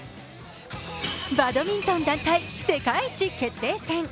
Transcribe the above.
バドミントン団体世界一決定戦。